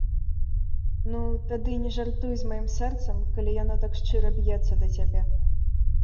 Ну, тады не жартуй з маім сэрцам, калі яно так шчыра б'ецца да цябе.